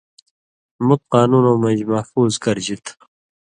مُت قانُونؤں من٘ژ محفوظ کرژی تھہ۔